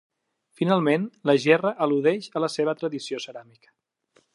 Finalment, la gerra al·ludeix a la seva tradició ceràmica.